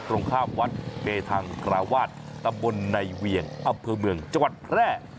ตรงข้ามวัดเบทางกราวาสตำบลในเวียงอำเภอเมืองจังหวัดแพร่